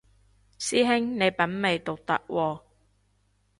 師兄你品味獨特喎